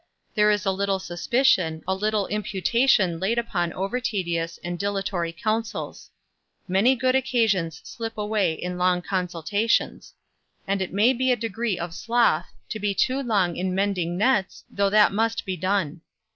There is a little suspicion, a little imputation laid upon over tedious and dilatory counsels. Many good occasions slip away in long consultations; and it may be a degree of sloth, to be too long in mending nets, though that must be done.